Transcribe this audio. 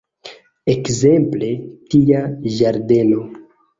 Ekzemple, tia ĝardeno!